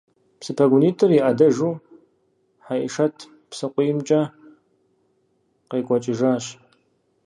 Псы пэгунитӏыр и ӏэдэжу Хьэӏишэт псыкъуиймкӏэ къекӏуэкӏыжащ.